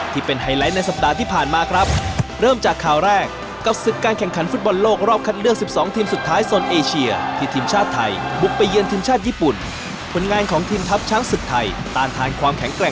ตลอดสัปดาห์ที่ผ่านมาครับว่ามีอะไรกันบ้าง